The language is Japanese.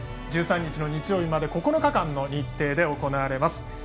１３日、日曜日まで９日間の日程で行われます。